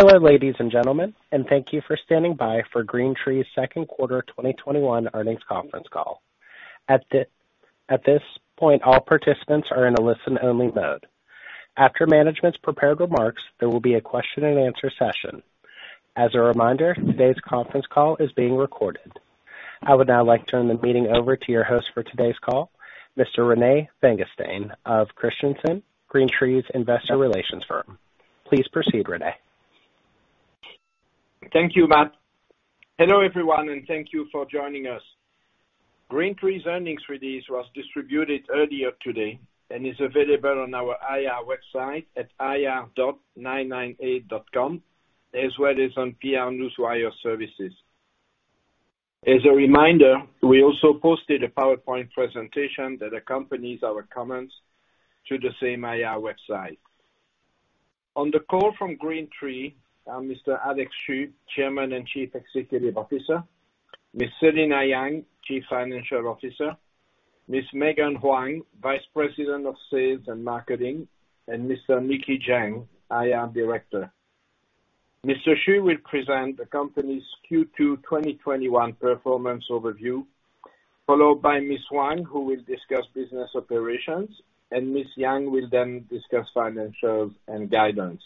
Hello, ladies and gentlemen, and thank you for standing by for GreenTree's second quarter 2021 earnings conference call. At this point, all participants are in a listen-only mode. After management's prepared remarks, there will be a question and answer session. As a reminder, today's conference call is being recorded. I would now like to turn the meeting over to your host for today's call, Mr. Rene Vanguestaine of Christensen, GreenTree's investor relations firm. Please proceed, Rene. Thank you, Matt. Hello, everyone, and thank you for joining us. GreenTree's earnings release was distributed earlier today and is available on our IR website at ir.998.com, as well as on PR Newswire. As a reminder, we also posted a PowerPoint presentation that accompanies our comments to the same IR website. On the call from GreenTree are Mr. Alex Xu, Chairman and Chief Executive Officer, Ms. Selina Yang, Chief Financial Officer, Ms. Megan Huang, Vice President of Sales and Marketing, and Mr. Nicky Zheng, IR Director. Mr. Xu will present the company's Q2 2021 performance overview, followed by Ms. Huang, who will discuss business operations, and Ms. Yang will then discuss financials and guidance.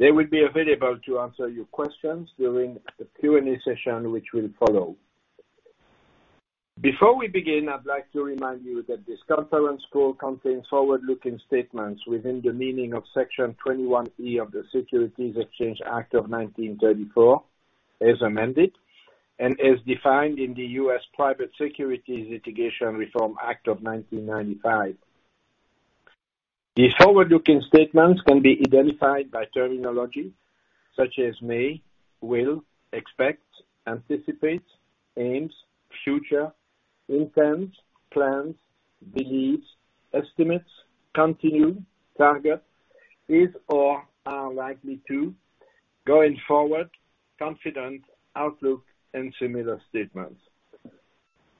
They will be available to answer your questions during the Q&A session, which will follow. Before we begin, I'd like to remind you that this conference call contains forward-looking statements within the meaning of Section 21E of the Securities Exchange Act of 1934, as amended, and as defined in the U.S. Private Securities Litigation Reform Act of 1995. The forward-looking statements can be identified by terminology such as may, will, expect, anticipate, aims, future, intends, plans, believes, estimates, continue, target, is or are likely to, going forward, confident, outlook, and similar statements.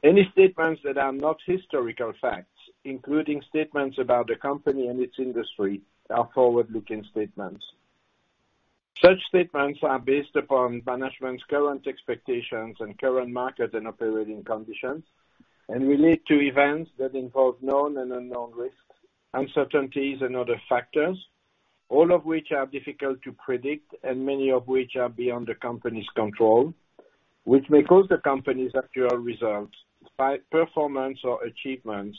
Any statements that are not historical facts, including statements about the company and its industry, are forward-looking statements. Such statements are based upon management's current expectations and current market and operating conditions and relate to events that involve known and unknown risks, uncertainties, and other factors, all of which are difficult to predict and many of which are beyond the company's control, which may cause the company's actual results by performance or achievements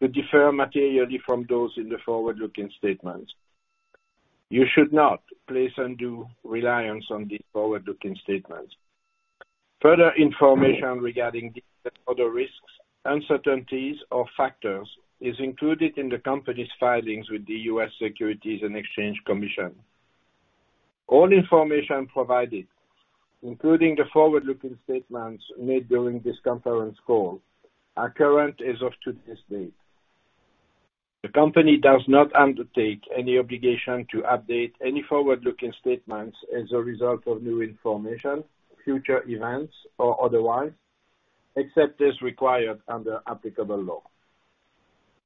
to differ materially from those in the forward-looking statements. You should not place undue reliance on these forward-looking statements. Further information regarding these and other risks, uncertainties, or factors is included in the company's filings with the U.S. Securities and Exchange Commission. All information provided, including the forward-looking statements made during this conference call, are current as of today's date. The company does not undertake any obligation to update any forward-looking statements as a result of new information, future events, or otherwise, except as required under applicable law.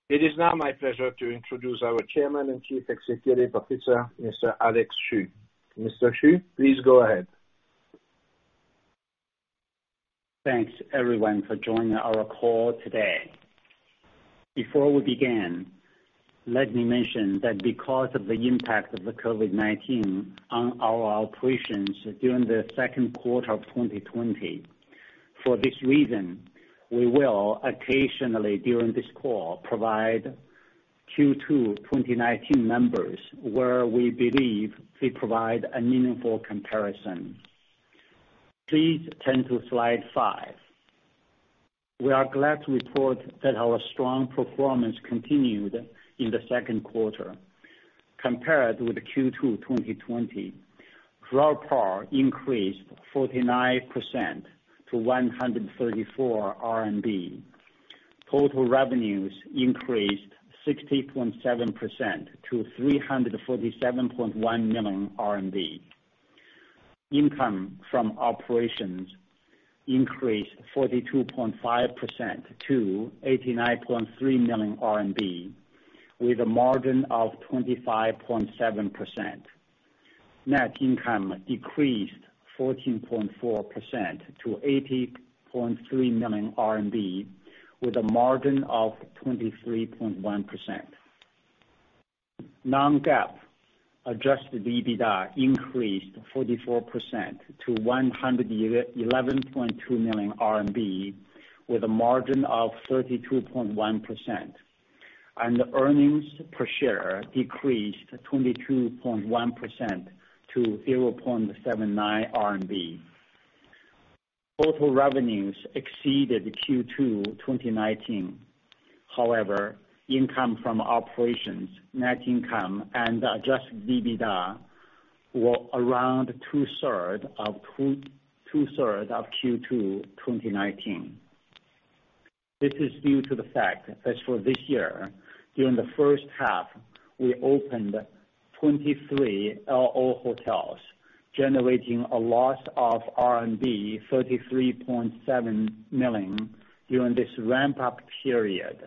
It is now my pleasure to introduce our Chairman and Chief Executive Officer, Mr. Alex Xu. Mr. Xu, please go ahead. Thanks, everyone, for joining our call today. Before we begin, let me mention that because of the impact of the COVID-19 on our operations during the second quarter of 2020, for this reason, we will occasionally, during this call, provide Q2 2019 numbers where we believe they provide a meaningful comparison. Please turn to slide 5. We are glad to report that our strong performance continued in the second quarter. Compared with Q2 2020, RevPAR increased 49% to RMB 134. Total revenues increased 60.7% to 347.1 million RMB. Income from operations increased 42.5% to 89.3 million RMB with a margin of 25.7%. Net income decreased 14.4% to RMB 80.3 million with a margin of 23.1%. Non-GAAP adjusted EBITDA increased 44% to 111.2 million RMB with a margin of 32.1%. The earnings per share decreased 22.1% to 0.79 RMB. Total revenues exceeded Q2 2019. However, income from operations, net income, and adjusted EBITDA were around two-thirds of Q2 2019. This is due to the fact that for this year, during the first half, we opened 23 LO hotels, generating a loss of RMB 33.7 million during this ramp-up period.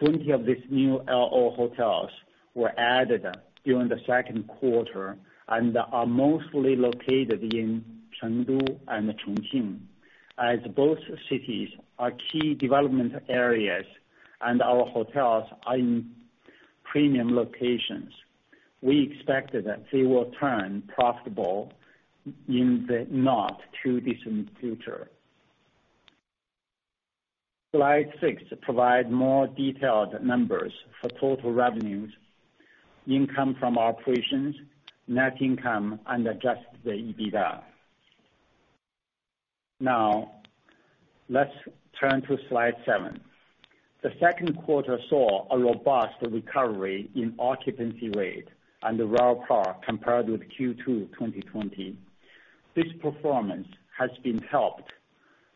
20 of these new LO hotels were added during the second quarter and are mostly located in Chengdu and Chongqing. As both cities are key development areas and our hotels are in premium locations, we expect that they will turn profitable in the not too distant future. Slide six provides more detailed numbers for total revenues, income from operations, net income and adjusted EBITDA. Now, let's turn to slide seven. The second quarter saw a robust recovery in occupancy rate and the RevPAR compared with Q2 2020. This performance has been helped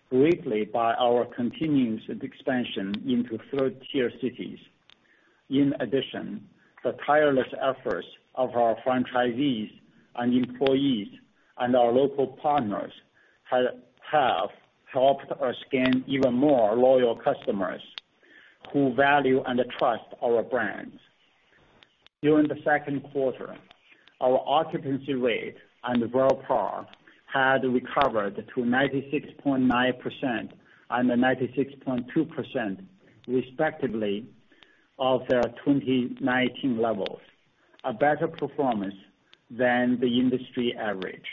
greatly by our continuous expansion into third-tier cities. In addition, the tireless efforts of our franchisees and employees and our local partners have helped us gain even more loyal customers who value and trust our brands. During the second quarter, our occupancy rate and RevPAR had recovered to 96.9% and 96.2% respectively of 2019 levels, a better performance than the industry average.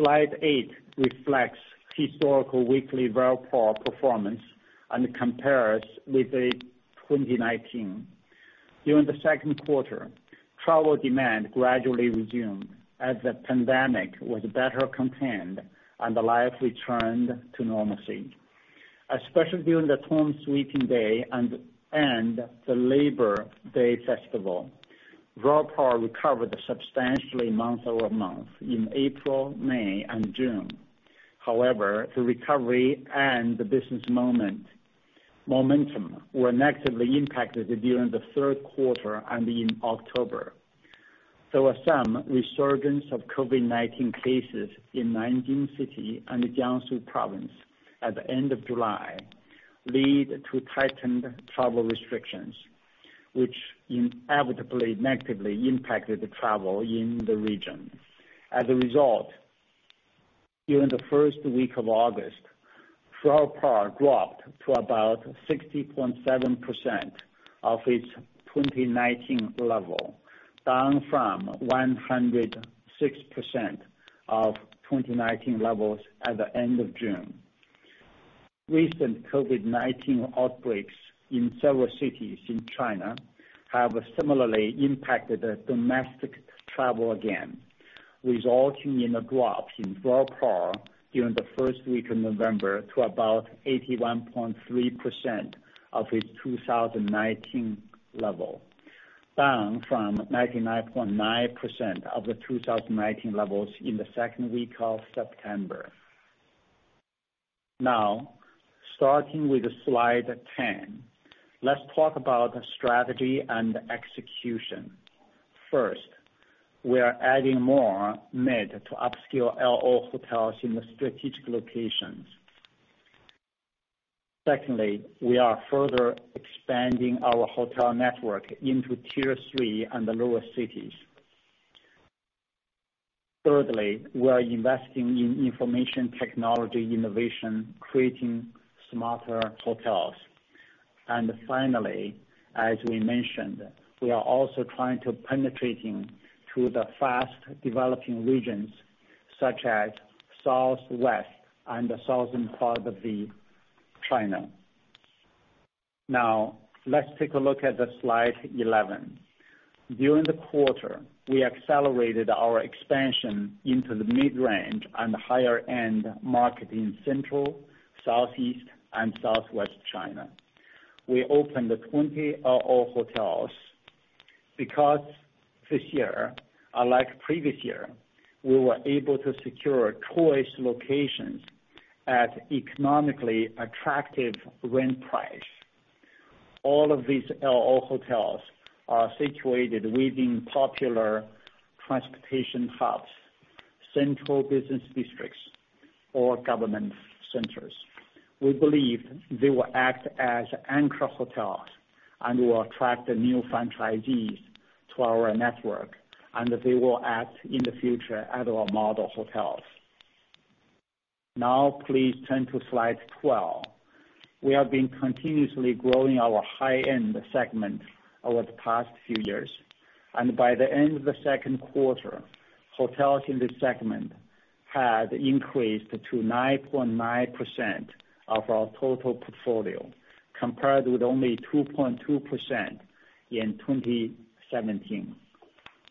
Slide eight reflects historical weekly RevPAR performance and compares with the 2019. During the second quarter, travel demand gradually resumed as the pandemic was better contained and life returned to normalcy, especially during the Tomb Sweeping Day and the Labor Day festival. RevPAR recovered substantially month-over-month in April, May, and June. However, the recovery and the business momentum were negatively impacted during the third quarter and in October. There were some resurgence of COVID-19 cases in Nanjing City and Jiangsu Province at the end of July, leading to tightened travel restrictions, which inevitably negatively impacted the travel in the region. As a result, during the first week of August, RevPAR dropped to about 60.7% of its 2019 level, down from 106% of 2019 levels at the end of June. Recent COVID-19 outbreaks in several cities in China have similarly impacted the domestic travel again, resulting in a drop in RevPAR during the first week of November to about 81.3% of its 2019 level, down from 99.9% of the 2019 levels in the second week of September. Now, starting with slide 10, let's talk about strategy and execution. First, we are adding more mid to upscale L&O hotels in the strategic locations. Secondly, we are further expanding our hotel network into tier three and the lower cities. Thirdly, we are investing in information technology innovation, creating smarter hotels. Finally, as we mentioned, we are also trying to penetrating through the fast-developing regions such as Southwest and the southern part of the China. Now, let's take a look at the slide 11. During the quarter, we accelerated our expansion into the mid-range and higher end market in central, southeast and southwest China. We opened 20 LO hotels, because this year, unlike previous year, we were able to secure choice locations at economically attractive rent price. All of these LO hotels are situated within popular transportation hubs, central business districts or government centers. We believe they will act as anchor hotels and will attract new franchisees to our network, and they will act in the future as our model hotels. Now please turn to slide 12. We have been continuously growing our high-end segment over the past few years, and by the end of the second quarter, hotels in this segment had increased to 9.9% of our total portfolio, compared with only 2.2% in 2017.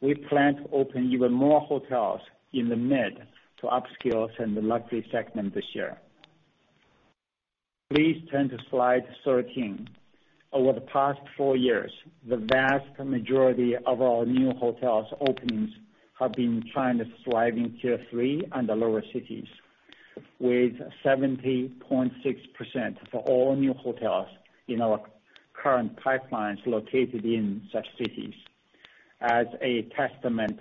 We plan to open even more hotels in the mid- to upscale and the luxury segment this year. Please turn to slide 13. Over the past four years, the vast majority of our new hotel openings have been trying to thrive in tier-three and the lower cities, with 70.6% of all new hotels in our current pipelines located in such cities. As a testament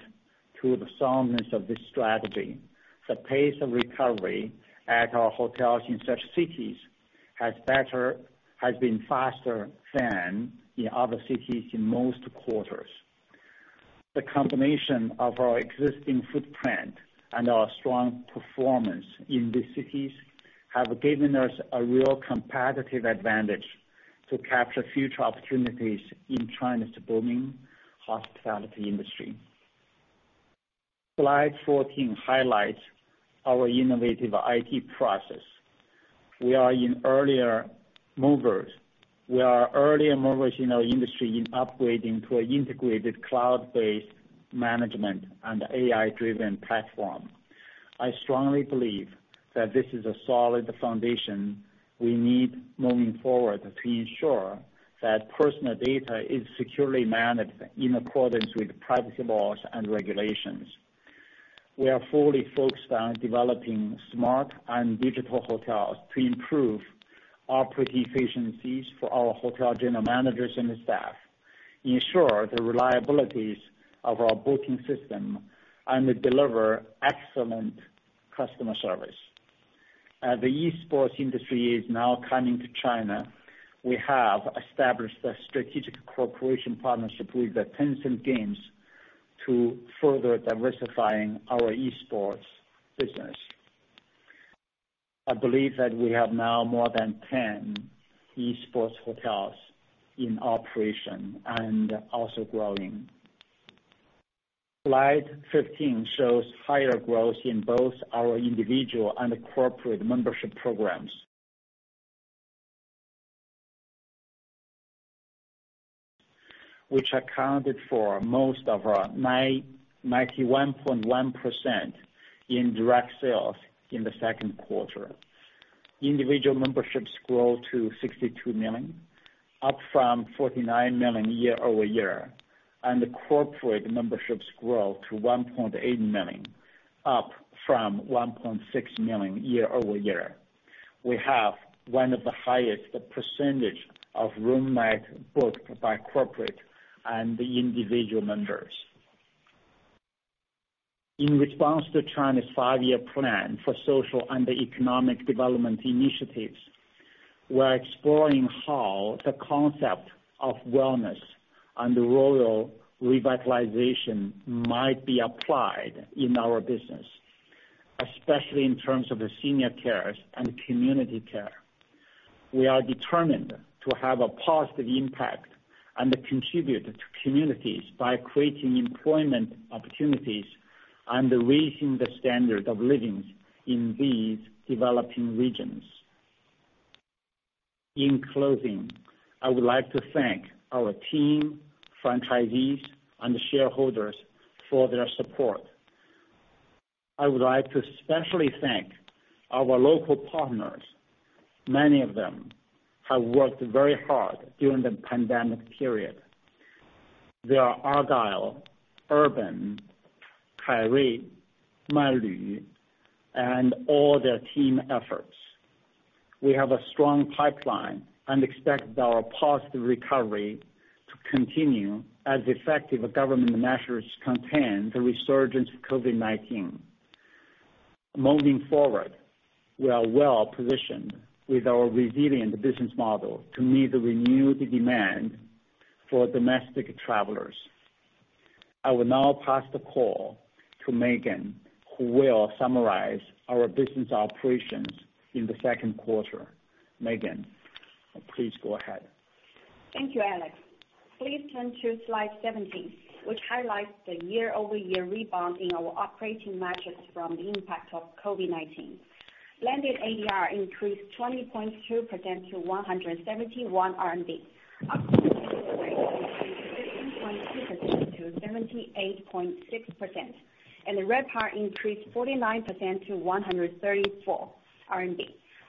to the soundness of this strategy, the pace of recovery at our hotels in such cities has been faster than in other cities in most quarters. The combination of our existing footprint and our strong performance in these cities have given us a real competitive advantage to capture future opportunities in China's booming hospitality industry. Slide 14 highlights our innovative IT process. We are the early movers. We are early movers in our industry in upgrading to an integrated cloud-based management and AI-driven platform. I strongly believe that this is a solid foundation we need moving forward to ensure that personal data is securely managed in accordance with privacy laws and regulations. We are fully focused on developing smart and digital hotels to improve operating efficiencies for our hotel general managers and the staff, ensure the reliabilities of our booking system, and deliver excellent customer service. As the esports industry is now coming to China, we have established a strategic cooperation partnership with the Tencent Games to further diversifying our esports business. I believe that we have now more than 10 esports hotels in operation and also growing. Slide 15 shows higher growth in both our individual and corporate membership programs. Which accounted for most of our 91.1% in direct sales in the second quarter. Individual memberships grow to 62 million, up from 49 million year-over-year, and the corporate memberships grow to 1.8 million, up from 1.6 million year-over-year. We have one of the highest percentage of room nights booked by corporate and individual members. In response to China's Five-Year Plan for social and economic development initiatives, we're exploring how the concept of wellness and rural revitalization might be applied in our business, especially in terms of the senior cares and community care. We are determined to have a positive impact and contribute to communities by creating employment opportunities and raising the standard of living in these developing regions. In closing, I would like to thank our team, franchisees, and shareholders for their support. I would like to especially thank our local partners. Many of them have worked very hard during the pandemic period. They are Argyle, Urban, Kai Rui, Simalu, and all their team efforts. We have a strong pipeline and expect our positive recovery to continue as effective government measures contain the resurgence of COVID-19. Moving forward, we are well-positioned with our resilient business model to meet the renewed demand for domestic travelers. I will now pass the call to Megan, who will summarize our business operations in the second quarter. Megan, please go ahead. Thank you, Alex. Please turn to slide 17, which highlights the year-over-year rebound in our operating metrics from the impact of COVID-19. Landed ADR increased 20.2% to 171 RMB. Occupancy rate increased 13.2% to 78.6%, and the RevPAR increased 49% to 134 RMB.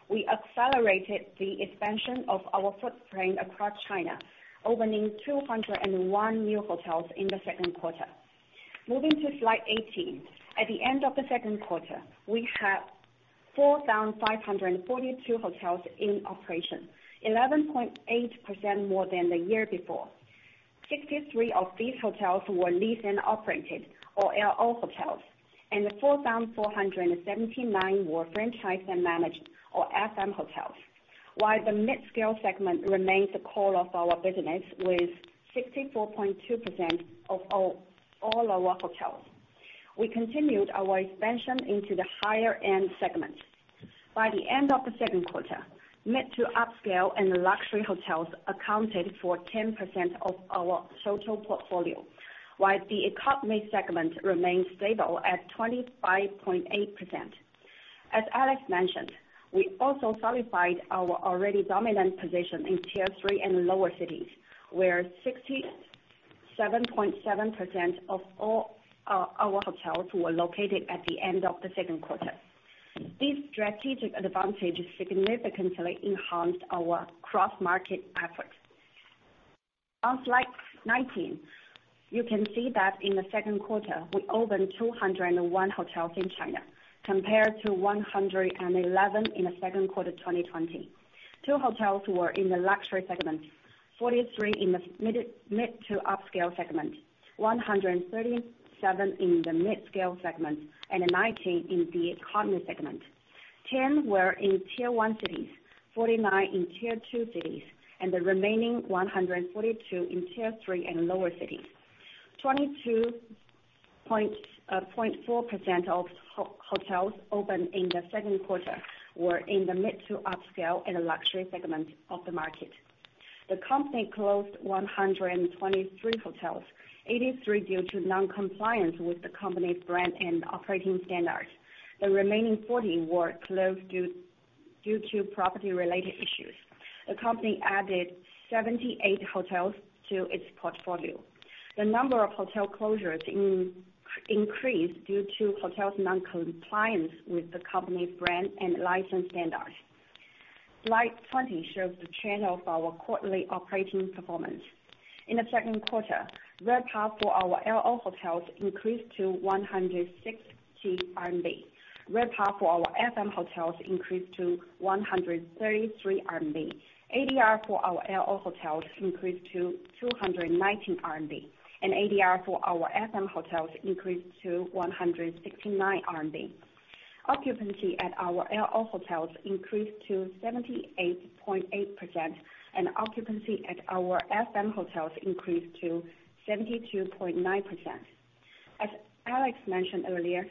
We accelerated the expansion of our footprint across China, opening 201 new hotels in the second quarter. Moving to slide 18. At the end of the second quarter, we had 4,542 hotels in operation, 11.8% more than the year before. 63 of these hotels were leased and operated, or LO hotels, and the 4,479 were franchised and managed, or FM hotels. While the midscale segment remains the core of our business with 64.2% of all our hotels. We continued our expansion into the higher end segment. By the end of the second quarter, mid to upscale and luxury hotels accounted for 10% of our total portfolio, while the economy segment remained stable at 25.8%. As Alex mentioned, we also solidified our already dominant position in tier three and lower cities, where 67.7% of all our hotels were located at the end of the second quarter. These strategic advantages significantly enhanced our cross-market efforts. On slide 19, you can see that in the second quarter, we opened 201 hotels in China, compared to 111 in the second quarter 2020. Two hotels were in the luxury segment, 43 in the mid to upscale segment, 137 in the midscale segment, and 19 in the economy segment. Ten were in Tier One cities, 49 in Tier Two cities, and the remaining 142 in Tier Three and lower cities. 22.4% of hotels opened in the second quarter were in the mid to upscale and luxury segment of the market. The company closed 123 hotels. 83 due to non-compliance with the company's brand and operating standards. The remaining 40 were closed due to property-related issues. The company added 78 hotels to its portfolio. The number of hotel closures increased due to hotels' non-compliance with the company's brand and license standards. Slide 20 shows the trend of our quarterly operating performance. In the second quarter, RevPAR for our LO hotels increased to 160 RMB. RevPAR for our FM hotels increased to 133 RMB. ADR for our LO hotels increased to 219 RMB. ADR for our FM hotels increased to 169 RMB. Occupancy at our LO hotels increased to 78.8%, and occupancy at our FM hotels increased to 72.9%. As Alex mentioned earlier,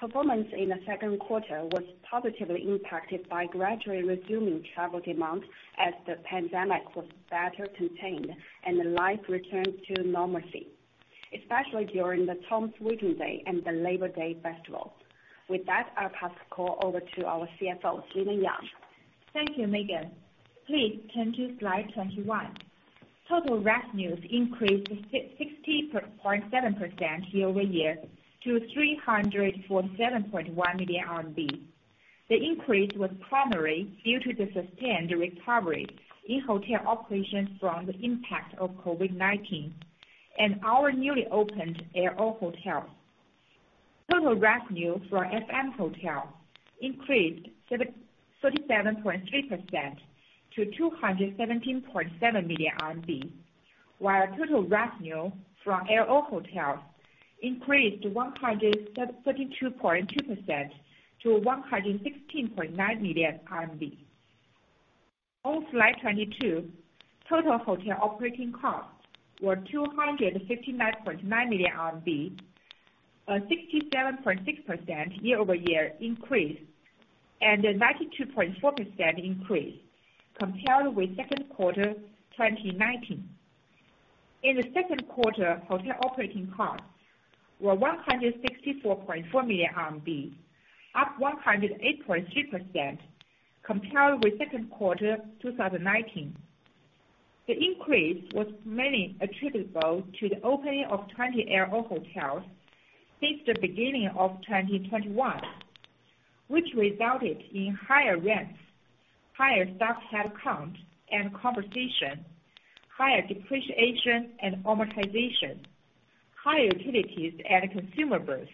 performance in the second quarter was positively impacted by gradually resuming travel demand as the pandemic was better contained and life returned to normalcy, especially during the Qingming Festival and the Labor Day festival. With that, I'll pass the call over to our CFO, Selina Yang. Thank you, Megan. Please turn to slide 21. Total revenues increased 60.7% year-over-year to 347.1 million RMB. The increase was primarily due to the sustained recovery in hotel operations from the impact of COVID-19, and our newly opened LO hotel. Total revenue for FM hotel increased 37.3% to 217.7 million RMB, while total revenue from LO hotels increased 132.2% to 116.9 million RMB. On slide 22, total hotel operating costs were 259.9 million RMB, a 67.6% year-over-year increase, and a 92.4% increase compared with second quarter 2019. In the second quarter, hotel operating costs were 164.4 million RMB, up 108.3% compared with second quarter 2019. The increase was mainly attributable to the opening of 20 LO hotels since the beginning of 2021, which resulted in higher rents, higher staff headcount and compensation, higher depreciation and amortization, higher utilities and consumables,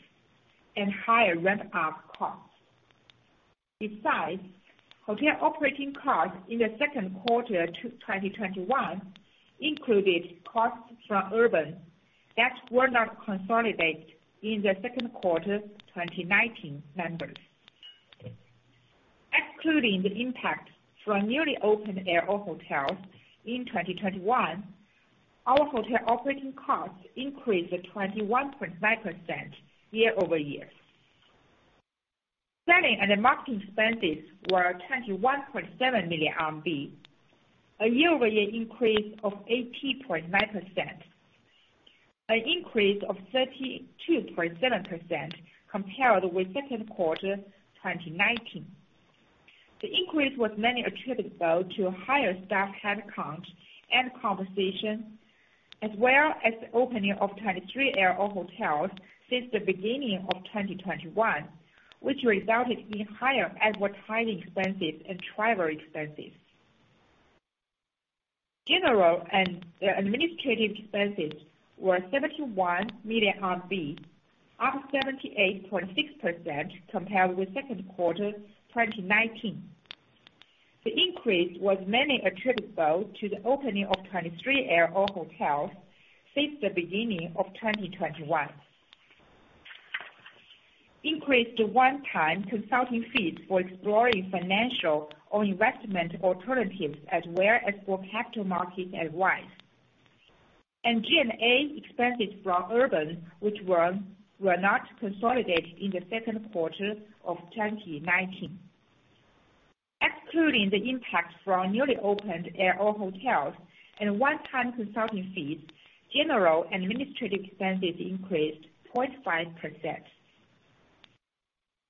and higher ramp-up costs. Besides, hotel operating costs in the second quarter 2021 included costs from Urban that were not consolidated in the second quarter 2019 numbers. Excluding the impact from newly opened LO hotels in 2021, our hotel operating costs increased 21.9% year-over-year. Selling and marketing expenses were 21.7 million RMB, a year-over-year increase of 18.9%. An increase of 32.7% compared with second quarter 2019. The increase was mainly attributable to higher staff headcount and compensation, as well as the opening of 23 LO hotels since the beginning of 2021, which resulted in higher advertising expenses and travel expenses. General and administrative expenses were 71 million RMB, up 78.6% compared with second quarter 2019. The increase was mainly attributable to the opening of 23 LO hotels since the beginning of 2021, increased one-time consulting fees for exploring financial or investment alternatives, as well as for capital market advice, and G&A expenses from Urban, which were not consolidated in the second quarter of 2019. Excluding the impact from newly opened LO hotels and one-time consulting fees, general and administrative expenses increased 0.5%.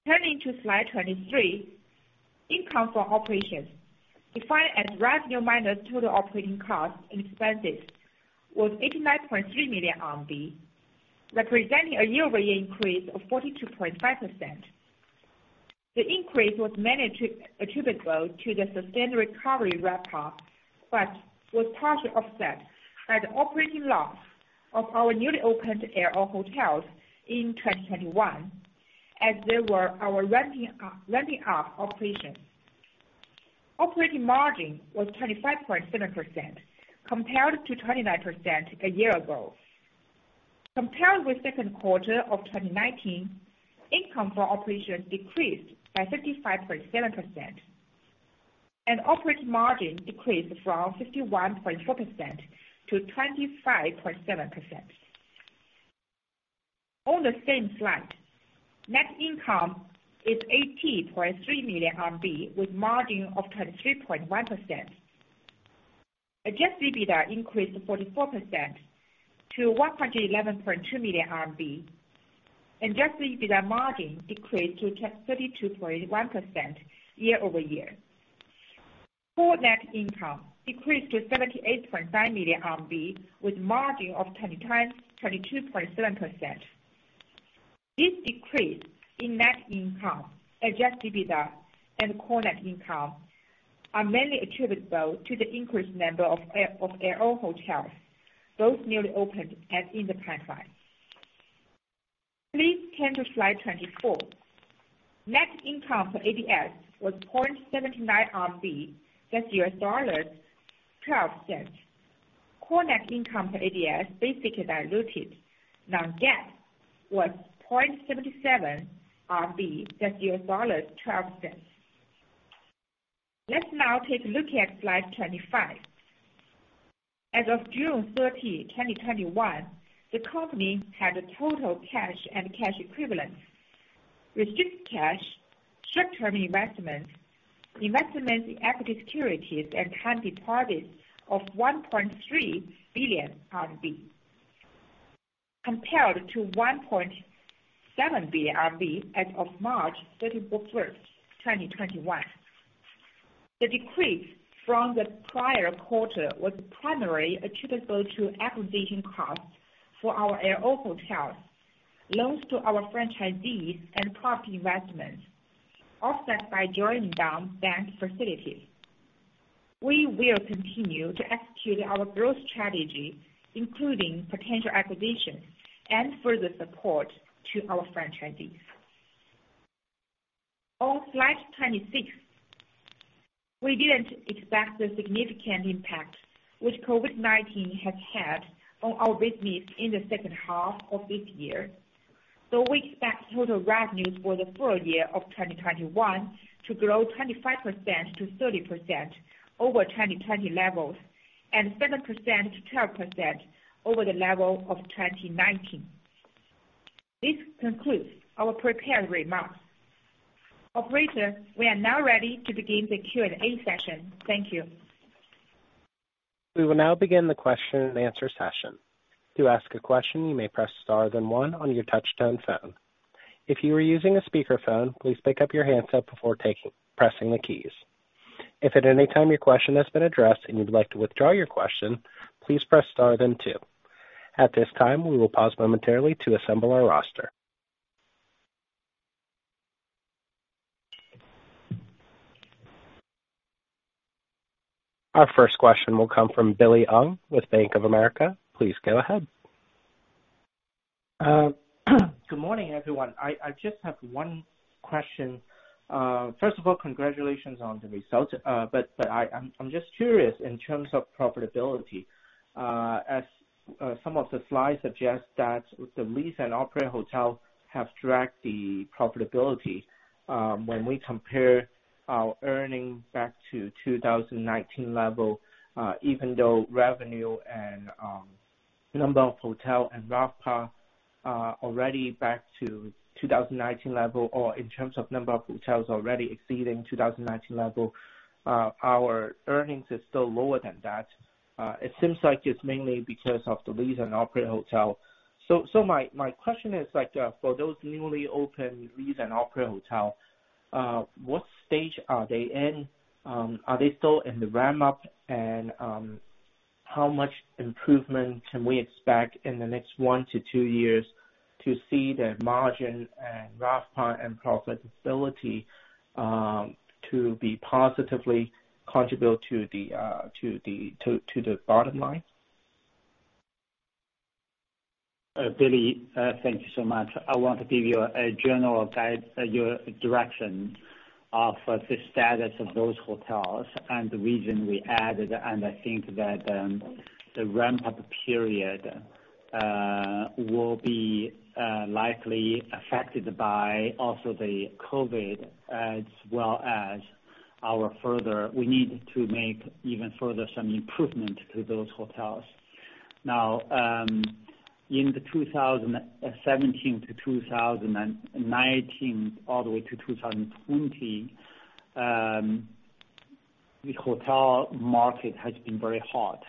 Turning to slide 23, income from operations defined as revenue minus total operating costs and expenses was 89.3 million RMB, representing a year-over-year increase of 42.5%. The increase was mainly attributable to the sustained recovery RevPAR, but was partially offset by the operating loss of our newly opened L&O hotels in 2021. As they were ramping up operations. Operating margin was 25.7% compared to 29% a year ago. Compared with second quarter of 2019, income from operations decreased by 35.7%, and operating margin decreased from 51.4% to 25.7%. On the same slide, net income is 80.3 million RMB, with margin of 23.1%. Adjusted EBITDA increased 44% to 111.2 million RMB. Adjusted EBITDA margin decreased to 32.1% year-over-year. Core net income decreased to 78.5 million RMB with margin of 22.7%. This decrease in net income, adjusted EBITDA and core net income are mainly attributable to the increased number of L&O hotels, both newly opened and in the pipeline. Please turn to slide 24. Net income for ADS was 0.79 RMB, that's $0.12. Core net income for ADS basic and diluted non-GAAP was 0.77 RMB, that's $0.12. Let's now take a look at slide 25. As of June 30, 2021, the company had total cash and cash equivalents, restricted cash, short-term investments in equity securities and time deposits of 1.3 billion RMB, compared to 1.7 billion RMB as of March 31, 2021. The decrease from the prior quarter was primarily attributable to acquisition costs for our L&O hotels, loans to our franchisees and property investments, offset by drawing down bank facilities. We will continue to execute our growth strategy, including potential acquisitions and further support to our franchisees. On slide 26, we didn't expect the significant impact which COVID-19 has had on our business in the second half of this year. We expect total revenues for the full year of 2021 to grow 25%-30% over 2020 levels and 7%-10% over the level of 2019. This concludes our prepared remarks. Operator, we are now ready to begin the Q&A session. Thank you. We will now begin the question and answer session. To ask a question, you may press star then one on your touchtone phone. If you are using a speakerphone, please pick up your handset before pressing the keys. If at any time your question has been addressed and you'd like to withdraw your question, please press star then two. At this time, we will pause momentarily to assemble our roster. Our first question will come from Billy Ng with Bank of America. Please go ahead. Good morning, everyone. I just have one question. First of all, congratulations on the results. I'm just curious in terms of profitability, as some of the slides suggest that the leased and operated hotels have dragged the profitability, when we compare our earnings back to 2019 level, even though revenue and number of hotels and RevPAR are already back to 2019 level or in terms of number of hotels already exceeding 2019 level, our earnings is still lower than that. It seems like it's mainly because of the leased and operated hotels. My question is like, for those newly opened leased and operated hotels, what stage are they in? Are they still in the ramp up? How much improvement can we expect in the next one to two years to see the margin and RevPAR and profitability to be positively contribute to the bottom line? Billy, thank you so much. I want to give you a general guide, your direction of the status of those hotels and the reason we added, and I think that, the ramp-up period, will be, likely affected by also the COVID as well as our further. We need to make even further some improvement to those hotels. Now, in the 2017 to 2019, all the way to 2020, the hotel market has been very hot.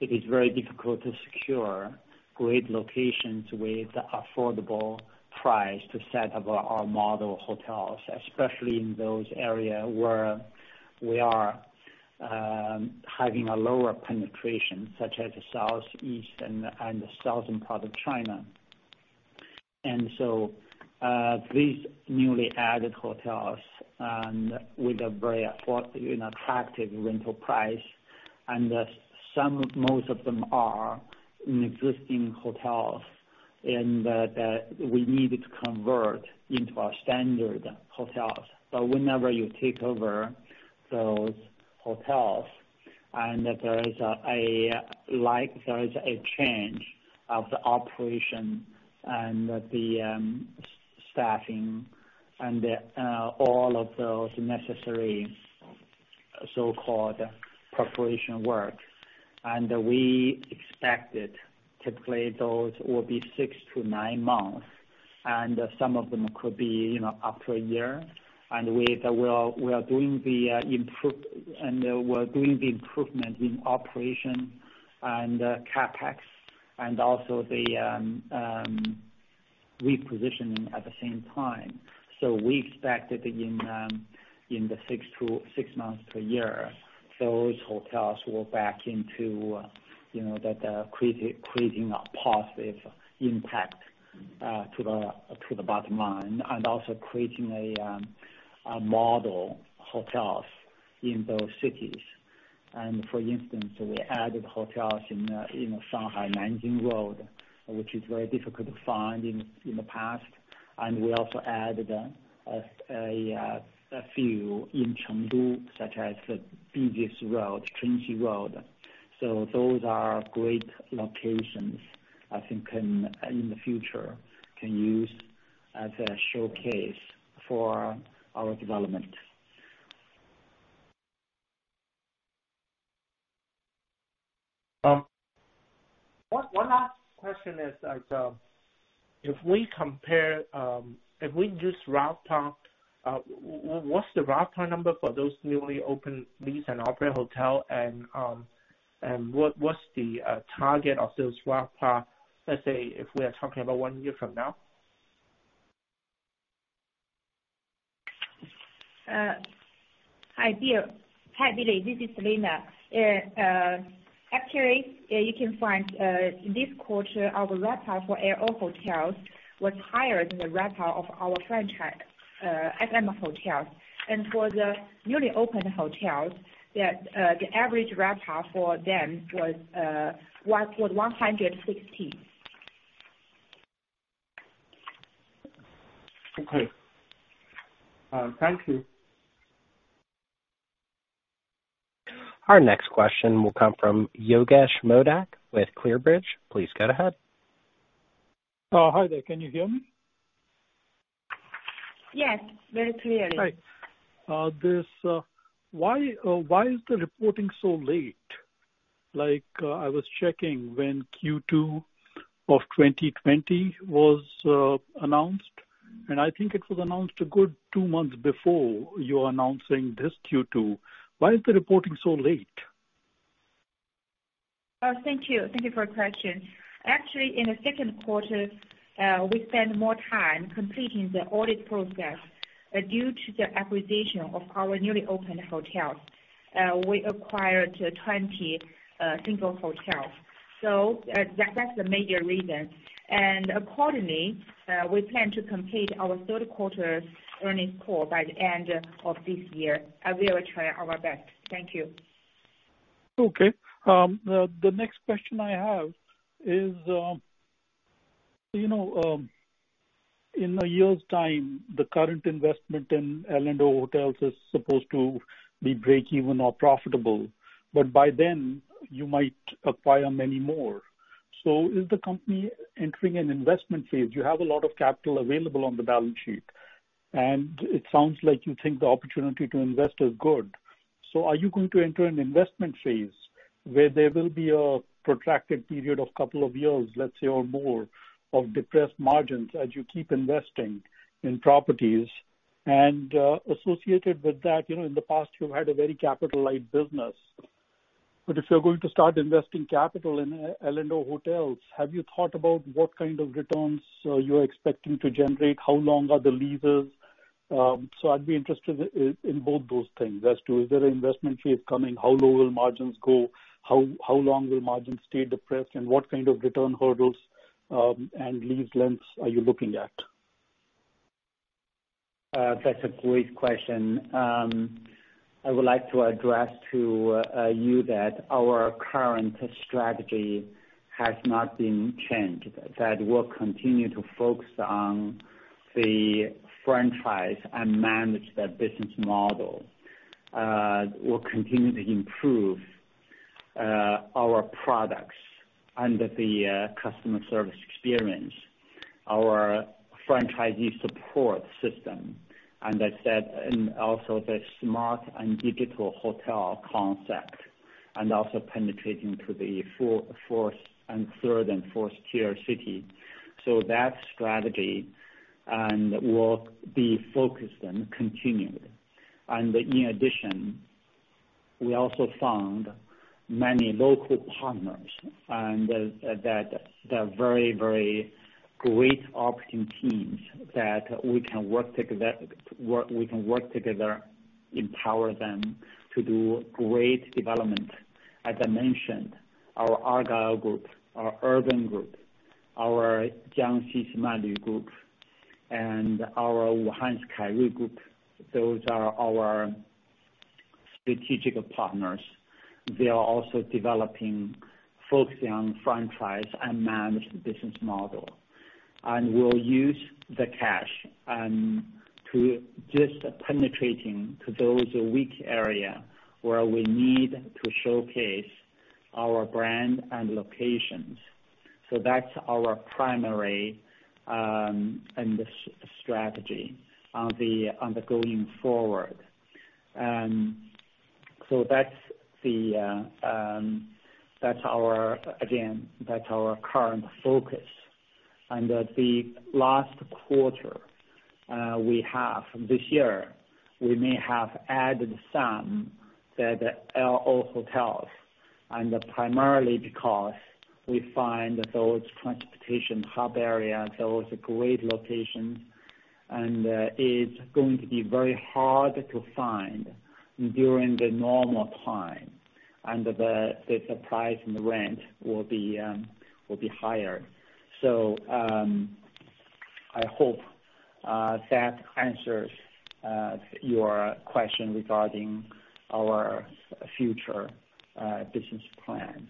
It is very difficult to secure great locations with affordable price to set up our model hotels, especially in those area where we are having a lower penetration, such as the Southeast and the southern part of China. These newly added hotels and with a very affordable and attractive rental price. Most of them are in existing hotels that we needed to convert into our standard hotels. Whenever you take over those hotels and there is a change of the operation and the staffing and all of those necessary so-called preparation work. We expected typically those will be six to nine months, and some of them could be, you know, up to a year. We are doing the improvement in operation and CapEx and also the repositioning at the same time. We expect that in the six months to a year, those hotels were back into you know that creating a positive impact to the bottom line and also creating a model hotels in those cities. For instance, we added hotels in Shanghai, Nanjing Road, which is very difficult to find in the past. We also added a few in Chengdu, such as the busiest road, Chunxi Road. Those are great locations, I think can in the future use as a showcase for our development. One last question is, if we use RevPAR, what's the RevPAR number for those newly opened leased-and-operated hotels? What's the target of those RevPAR, let's say if we are talking about one year from now? Hi, Billy. This is Selina. Actually, you can find this quarter, our RevPAR for L&O hotels was higher than the RevPAR of our franchise FM hotels. For the newly opened hotels, the average RevPAR for them was 116.1. Okay. Thank you. Our next question will come from Yogesh Modak with ClearBridge. Please go ahead. Hi there. Can you hear me? Yes. Very clearly. Hi. Why is the reporting so late? Like, I was checking when Q2 of 2020 was announced, and I think it was announced a good two months before you're announcing this Q2. Why is the reporting so late? Thank you. Thank you for your question. Actually, in the second quarter, we spent more time completing the audit process due to the acquisition of our newly opened hotels. We acquired 20 single hotels. That's the major reason. Accordingly, we plan to complete our third quarter's earnings call by the end of this year. We will try our best. Thank you. Okay. The next question I have is, you know, in a year's time, the current investment in L&O hotels is supposed to be break even or profitable. By then, you might acquire many more. Is the company entering an investment phase? You have a lot of capital available on the balance sheet, and it sounds like you think the opportunity to invest is good. Are you going to enter an investment phase where there will be a protracted period of couple of years, let's say, or more, of depressed margins as you keep investing in properties? Associated with that, you know, in the past, you've had a very capital-light business. If you're going to start investing capital in L&O hotels, have you thought about what kind of returns you're expecting to generate? How long are the leases? I'd be interested in both those things as to, is there an investment phase coming? How low will margins go? How long will margins stay depressed? What kind of return hurdles, and lease lengths are you looking at? That's a great question. I would like to address to you that our current strategy has not been changed. That we'll continue to focus on the franchise and manage the business model. We'll continue to improve our products under the customer service experience, our franchisee support system, and as said, and also the smart and digital hotel concept, and also penetrating to the third and fourth tier city. That strategy and we'll be focused and continuing. In addition, we also found many local partners and that they're very great operating teams that we can work together, empower them to do great development. As I mentioned, our Argyle Group, our Urban Group, our Jiangxi Simalu Group. And our Wuhan's Kai Rui Group, those are our strategic partners. They are also developing, focusing on franchise and managed business model. We'll use the cash to just penetrating to those weak area where we need to showcase our brand and locations. That's our primary and the strategy on the going forward. That's our current focus. At the last quarter this year, we may have added some L&O hotels, and primarily because we find those transportation hub areas, those are great locations, and it's going to be very hard to find during the normal time, and the price and rent will be higher. I hope that answers your question regarding our future business plan.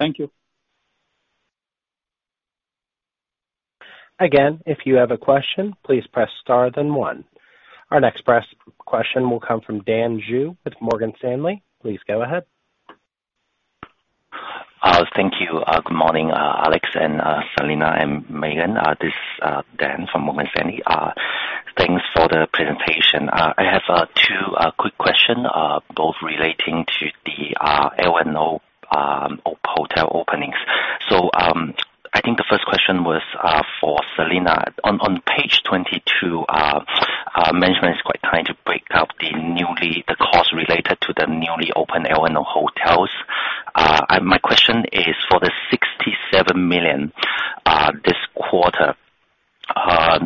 Thank you. Again, if you have a question, please press star then one. Our next question will come from Dan Xu with Morgan Stanley. Please go ahead. Thank you. Good morning, Alex and Selina and Megan. This is Dan from Morgan Stanley. Thanks for the presentation. I have two quick questions, both relating to the L&O hotel openings. I think the first question is for Selina. On page 22, management is trying to break down the costs related to the newly opened L&O hotels. My question is for the 67 million this quarter that's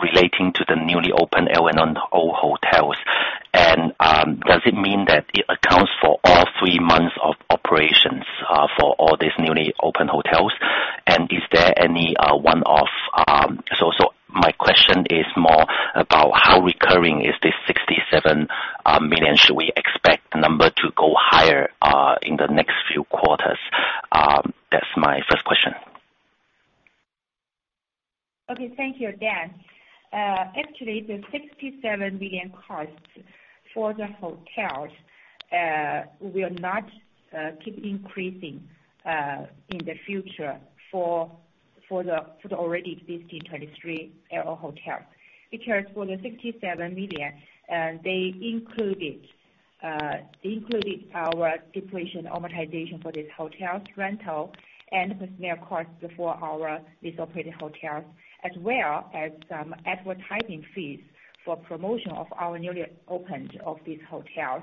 relating to the newly opened L&O hotels, and does it mean that it accounts for all three months of operations for all these newly opened hotels? And is there any one-off? My question is more about how recurring is this 67 million? Should we expect the number to go higher, in the next few quarters? That's my first question. Okay. Thank you, Dan. Actually, the 67 million costs for the hotels will not keep increasing in the future for the already existing 23 L&O hotels. Because for the 67 million, they included, including our depreciation and amortization for this hotel's rental and personnel costs for our lease-operated hotels. As well as some advertising fees for promotion of our newly opened hotels.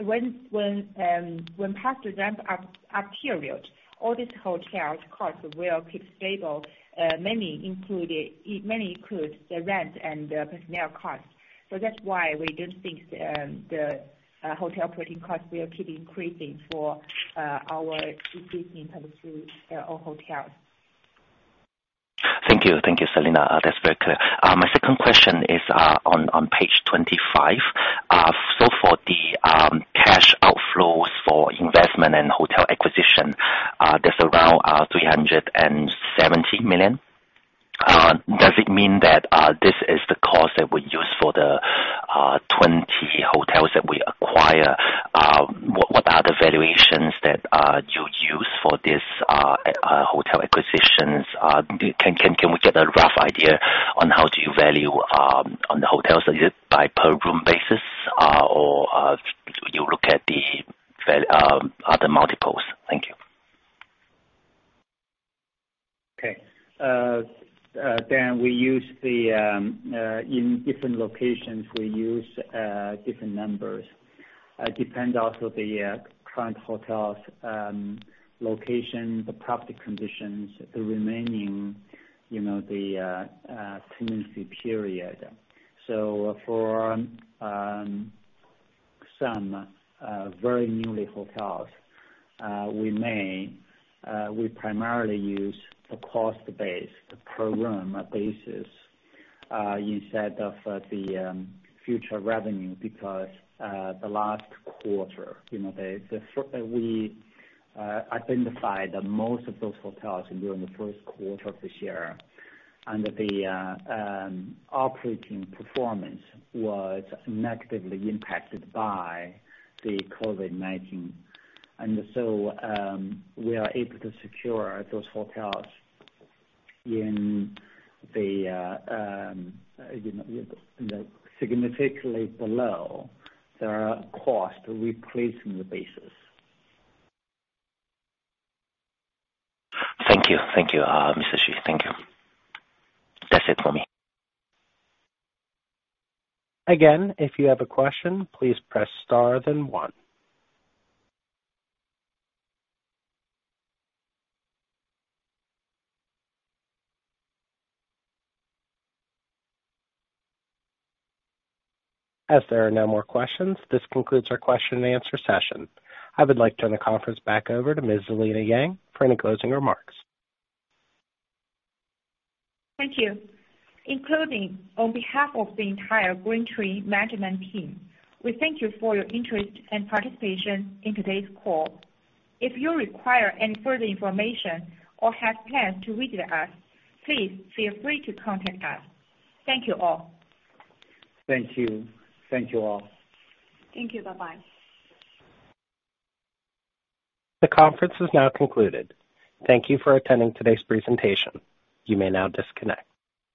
When past the ramp-up period, all these hotel costs will keep stable, mainly include the rent and personnel costs. That's why we don't think the hotel operating costs will keep increasing for our existing in terms of L&O hotels. Thank you. Thank you, Selina. That's very clear. My second question is on page 25. So for the cash outflows for investment and hotel acquisition, that's around 370 million. Does it mean that this is the cost that we use for the 20 hotels that we acquire? What are the valuations that you use for this hotel acquisitions? Can we get a rough idea on how do you value on the hotels? Is it by per room basis, or you look at other multiples? Thank you. Okay. Dan, we use different numbers in different locations. It depends also on the current hotels location, the property conditions, the remaining tenancy period, you know. For some very new hotels, we primarily use the cost base, the per room basis, instead of the future revenue because the last quarter, you know, we identified that most of those hotels during the first quarter of this year, and the operating performance was negatively impacted by the COVID-19. We are able to secure those hotels, you know, significantly below their cost replacement basis. Thank you. Thank you, Alex Xu. Thank you. That's it for me. Again, if you have a question, please press star then one. As there are no more questions, this concludes our question and answer session. I would like to turn the conference back over to Ms. Selina Yang for any closing remarks. Thank you. In closing, on behalf of the entire GreenTree management team, we thank you for your interest and participation in today's call. If you require any further information or have plans to visit us, please feel free to contact us. Thank you all. Thank you. Thank you all. Thank you. Bye-bye. The conference is now concluded. Thank you for attending today's presentation. You may now disconnect.